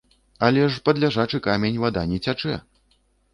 Але ж пад ляжачы камень вада не цячэ!